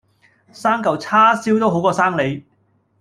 生舊叉燒都好過生你